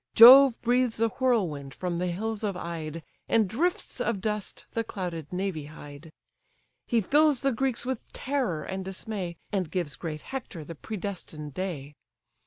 Jove breathes a whirlwind from the hills of Ide, And drifts of dust the clouded navy hide; He fills the Greeks with terror and dismay, And gives great Hector the predestined day.